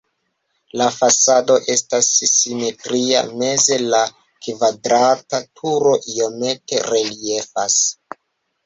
La fasado estas simetria, meze la kvadrata turo iomete reliefas.